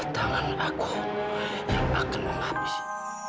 tangan aku yang akan menghabisi